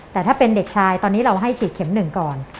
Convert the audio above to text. แต่ถ้าเป็นเด็กชายตอนนี้เราให้ฉีดเข็มหนึ่งก่อน